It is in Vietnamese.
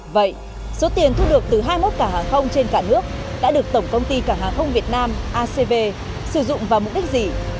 vậy số tiền thu được từ hai mươi một cảng hàng không trên cả nước đã được tổng công ty cảng hàng không việt nam acv sử dụng vào mục đích gì